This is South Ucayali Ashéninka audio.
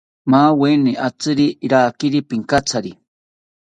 Maweni atziri rakiri pinkatsari